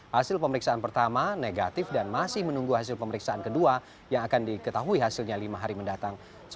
hasil pemeriksaan pertama negatif dan masih menunggu hasil pemeriksaan kedua yang akan diketahui hasilnya lima hari mendatang